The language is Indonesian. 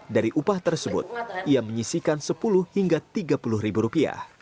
dari upah tersebut ia menyisikan rp sepuluh hingga rp tiga puluh